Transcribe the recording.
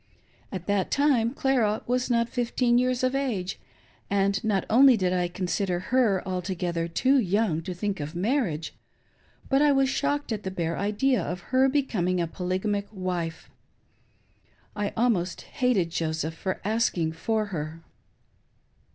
At that time Clara was not fifteen years of age, and not only did I consider her altogether two young to think of marriage, but I was shocked at the bare idea of her becoming a polyga mic wife. I almost hated Joseph for asking for her.